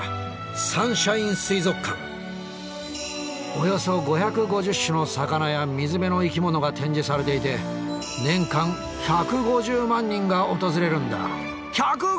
およそ５５０種の魚や水辺の生き物が展示されていて１５０万！